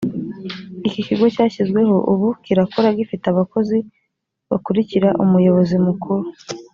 iki kigo cyashyizweho ubu kirakora gifite abakozi bakurikira umuyobozi mukuru